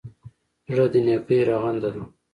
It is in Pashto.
زړه د نېکۍ رغنده ده.